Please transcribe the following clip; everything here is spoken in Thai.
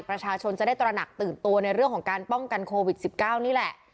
ประชาชนจะได้ตระหนักตื่นตัวในเรื่องของการป้องกันโควิด๑๙นี่แหละ